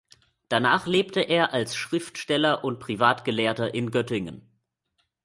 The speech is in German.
Danach lebte er als Schriftsteller und Privatgelehrter in Göttingen.